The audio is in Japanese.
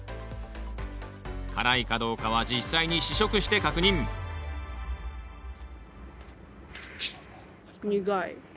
辛いかどうかは実際に試食して確認どっちなの？